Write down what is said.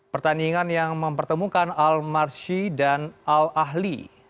pertandingan yang mempertemukan al marshi dan al ahli